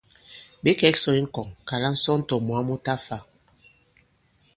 Ɓě kɛ̄k sɔ̄ i ŋkɔŋ, kàla ŋsɔn tɔ̀ moi mu ta fā.